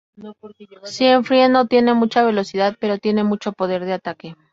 Siegfried no tiene mucha velocidad pero tiene mucho poder de ataque.